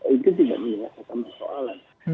itu tidak menyelesaikan persoalan